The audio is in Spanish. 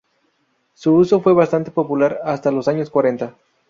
Su uso fue bastante popular hasta los años cuarenta.